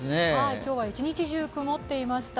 今日は一日中曇っていました。